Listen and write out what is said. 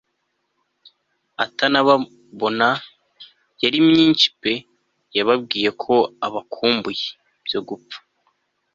atanababona yari myinshi pe yababwiye ko abakumbuye byo gupfa